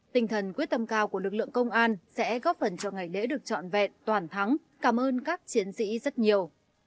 tinh thần quyết tâm cao của lực lượng công an sẽ góp phần cho ngày lễ được trọn vẹn toàn thắng cảm ơn các chiến sĩ rất nhiều